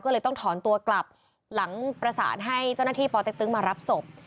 ก็เลยต้องถอนตัวกลับหลังประสานให้เจ้าหน้าที่ปเต็กตึ๊งมารับศพ